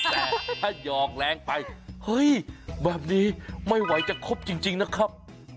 แต่ถ้าหยอกแรงไปเฮ้ยแบบนี้ไม่ไหวจะครบจริงนะครับ